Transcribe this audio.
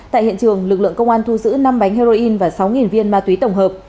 tại hiện trường lực lượng công an thu giữ năm bánh heroin và sáu viên ma túy tổng hợp